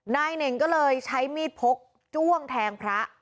เน่งก็เลยใช้มีดพกจ้วงแทงพระ